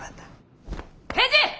返事！